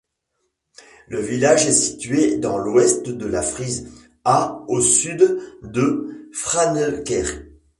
Le village est situé dans l'ouest de la Frise, à au sud de Franeker.